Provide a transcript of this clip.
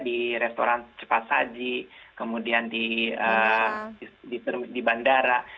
di restoran cepat saji kemudian di bandara